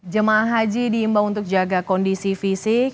jemaah haji diimbau untuk jaga kondisi fisik